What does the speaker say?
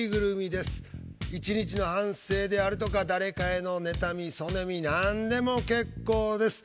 一日の反省であるとか誰かへの妬みそねみなんでも結構です。